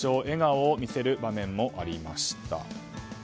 笑顔を見せる場面もありました。